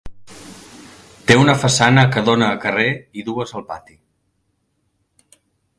Té una façana que dóna a carrer i dues al pati.